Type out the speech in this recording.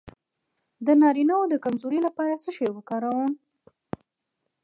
د نارینه د کمزوری لپاره څه شی وکاروم؟